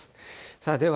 さあ、では